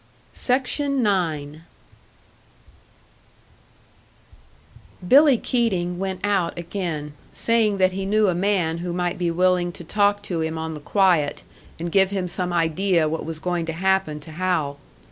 Billy Keating went out again, saying that he knew a man who might be willing to talk to him on the quiet, and give him some idea what was going to happen to Hal.